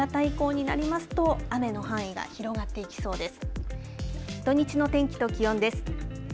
夕方以降になりますと雨の範囲が広がっていきそうです。